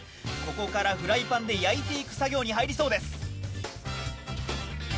ここからフライパンで焼いていく作業に入りそうです。